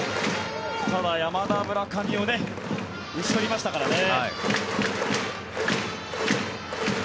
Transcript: ただ、山田、村上を打ち取りましたからね。